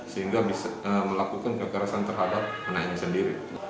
sehingga bisa melakukan kekerasan terhadap anaknya sendiri